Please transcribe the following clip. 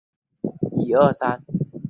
由存储对象和流对象构成。